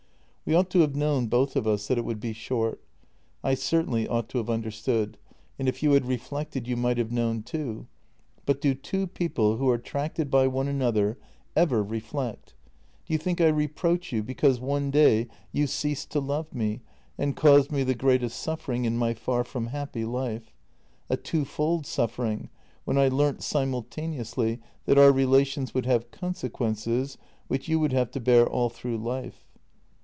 " We ought to have known, both of us, that it would be short. I certainly ought to have understood, and if you had reflected you might have known too, but do two people, who are at tracted by one another, ever reflect? Do you think I reproach you because one day you ceased to love me and caused me the greatest suffering in my far from happy life — a twofold suf fering when I learnt simultaneously that our relations would have consequences which you would have to bear all through life?